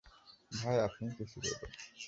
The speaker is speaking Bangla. ভাই, আপনিই কিছু বলুন।